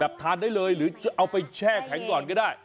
ทานได้เลยหรือเอาไปแช่แข็งก่อนก็ได้